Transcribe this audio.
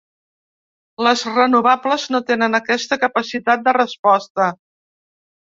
Les renovables no tenen aquesta capacitat de resposta.